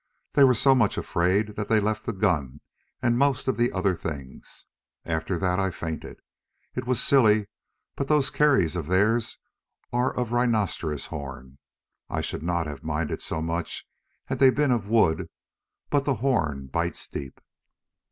They were so much afraid that they left the gun and most of the other things. After that I fainted; it was silly, but those kerries of theirs are of rhinoceros horn—I should not have minded so much had they been of wood, but the horn bites deep.